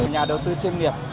nhà đầu tư chuyên nghiệp